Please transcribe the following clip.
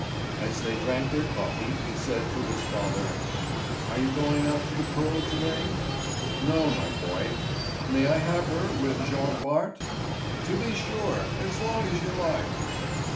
As they drank their coffee he said to his father: "Are you going out in the Pearl to day?" "No, my boy." "May I have her with Jean Bart?" "To be sure, as long as you like."